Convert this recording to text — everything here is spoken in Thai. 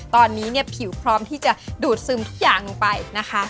ตอนนี้เนี่ยผิวพร้อมที่จะดูดซึมทุกอย่างลงไปนะคะ